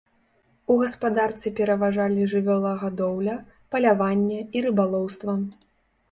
У гаспадарцы пераважалі жывёлагадоўля, паляванне і рыбалоўства.